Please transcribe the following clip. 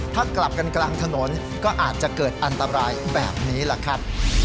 ถ้ากลับกันกลางถนนก็อาจจะเกิดอันตรายแบบนี้แหละครับ